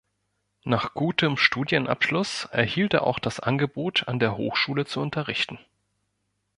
Nach gutem Studienabschluss erhielt er auch das Angebot an der Hochschule zu unterrichten.